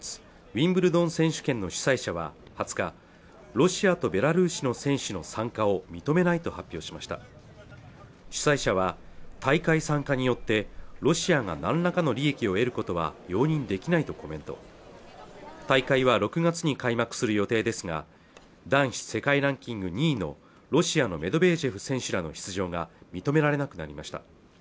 ウィンブルドン選手権の主催者は２０日ロシアとベラルーシの選手の参加を認めないと発表しました主催者は大会参加によってロシアが何らかの利益を得ることは容認できないとコメント大会は６月に開幕する予定ですが男子世界ランキング２位のロシアのメドベージェフ選手らの出場が認められなくなりました